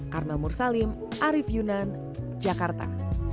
karmel mursalim arief yunan jakarta